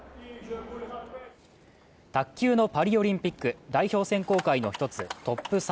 卓球のパリオリンピック代表選考会の一つ